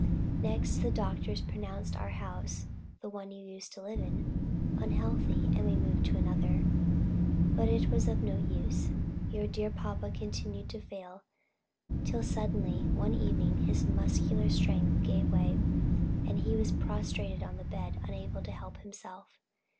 Next, the doctors pronounced our house (the one you used to live in) unhealthy, and we moved to another. But all was of no use. Your dear papa continued to fail, till suddenly, one evening, his muscular strength gave way and he was prostrated on the bed, unable to help himself.